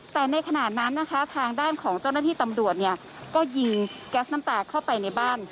แต่ในขณะนั้นนะคะทางด้านของเจ้าหน้าที่ตำรวจเนี่ยก็ยิงแก๊สน้ำตาเข้าไปในบ้าน